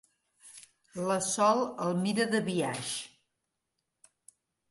La Sol el mira de biaix.